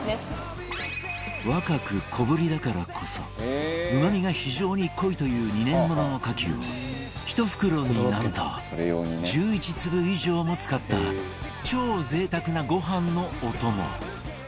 若く小ぶりだからこそうまみが非常に濃いという２年ものの牡蠣を１袋になんと１１粒以上も使った超贅沢なご飯のお供